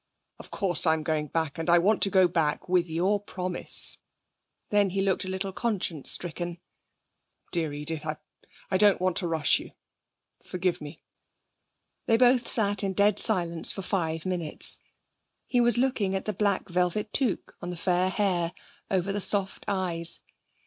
'Of course I'm going back; and I want to go back with your promise.' Then he looked a little conscience stricken. 'Dear Edith, I don't want to rush you. Forgive me.' They both sat in dead silence for five minutes. He was looking at the black velvet toque on the fair hair, over the soft eyes.